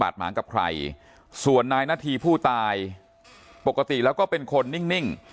หมางกับใครส่วนนายนาธีผู้ตายปกติแล้วก็เป็นคนนิ่ง